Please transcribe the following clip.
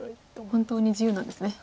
本当に自由なんですね。